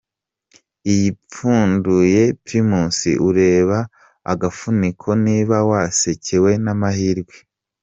Iyi upfunduye Primus ureba mu gafuniko niba wasekewe n'amahirwe.